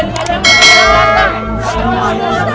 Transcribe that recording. dari mana yang mau duduk